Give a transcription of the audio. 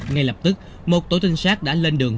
ngay lập tức một tổ trinh sát đã lên đường